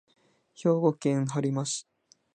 兵庫県播磨町